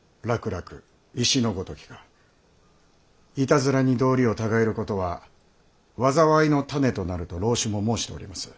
珞珞石いたずらに道理をたがえることは災いの種となると老子も申しております。